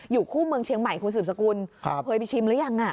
อยู่คู่เมืองเชียงใหม่คุณสืบสกุลเคยไปชิมหรือยัง